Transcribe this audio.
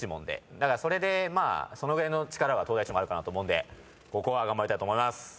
だからそのぐらいの力は東大チームあるかなと思うんでここは頑張りたいと思います。